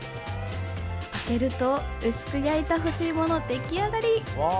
開けると、薄く焼いた干しいもの出来上がり！